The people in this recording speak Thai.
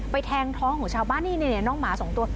แทงท้องของชาวบ้านนี่น้องหมาสองตัว